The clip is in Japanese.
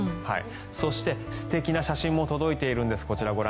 そして、素敵な写真も届いているんです。